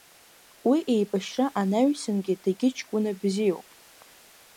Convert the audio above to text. Уи еибашьра анаҩсангьы дагьыҷкәына бзиоуп.